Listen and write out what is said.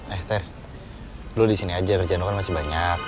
eh ter lu disini aja kerja lu kan masih banyak